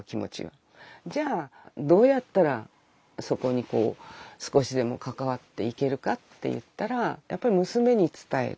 じゃあどうやったらそこにこう少しでも関わっていけるかっていったらやっぱり娘に伝える。